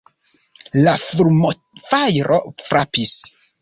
La fulmofajro frapis.